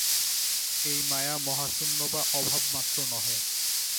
এই মায়া মহাশূন্য বা অভাবমাত্র নহে।